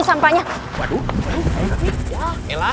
oh kayaknya kita daerah